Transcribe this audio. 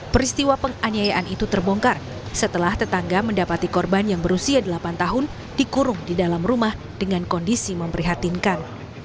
peristiwa penganiayaan itu terbongkar setelah tetangga mendapati korban yang berusia delapan tahun dikurung di dalam rumah dengan kondisi memprihatinkan